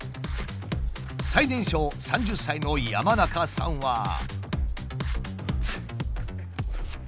最年少３０歳の山中さんは。